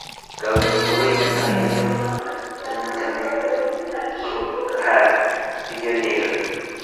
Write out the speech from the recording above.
Cautivo y Palio: túnica negra con capillo negro.